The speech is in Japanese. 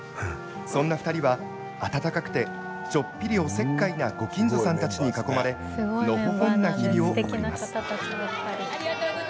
そんな２人は温かくてちょっぴりおせっかいなご近所さんたちに囲まれのほほんな日々を送ります。